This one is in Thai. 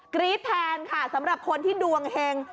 กรี๊ดแทนค่ะสำหรับคนที่ดวงเฮง